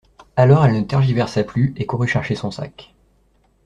Alors elle ne tergiversa plus et courut chercher son sac.